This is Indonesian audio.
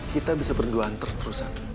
kita bisa berduaan terus terusan